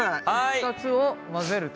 ２つを混ぜると。